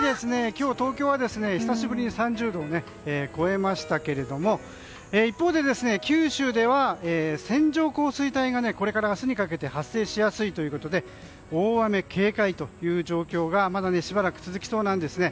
今日、東京は久しぶりに３０度を超えましたけれども一方で九州では線状降水帯がこれから明日にかけて発生しやすいということで大雨警戒という状況がまだしばらく続きそうなんですね。